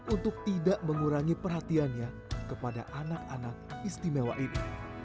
untuk tidak mengurangi perhatiannya kepada anak anak istimewa ini